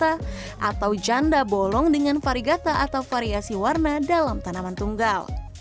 atau janda bolong dengan varigata atau variasi warna dalam tanaman tunggal